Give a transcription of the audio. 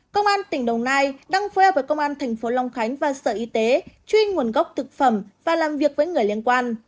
công an tỉnh đồng nai đang phối hợp với công an tp hcm và sở y tế chuyên nguồn gốc thực phẩm và làm việc với người liên quan